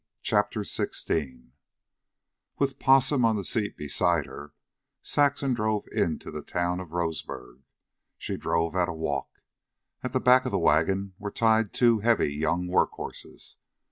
CHAPTER XVI With Possum on the seat beside her, Saxon drove into the town of Roseburg. She drove at a walk. At the back of the wagon were tied two heavy young work horses.